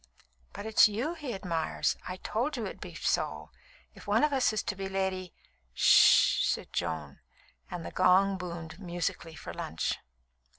"But it's you he admires. I told you it would be so. If one of us is to be Lady " "'Sh!" said Joan; and the gong boomed musically for lunch.